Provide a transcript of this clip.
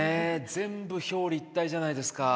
全部表裏一体じゃないですか。